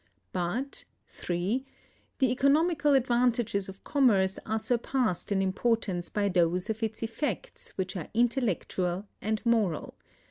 But (3) the economical advantages of commerce are surpassed in importance by those of its effects which are intellectual and moral.